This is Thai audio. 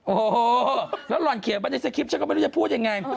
โอ้โหแล้วหล่อนเขียนไว้ในสคริปฉันก็ไม่รู้จะพูดยังไง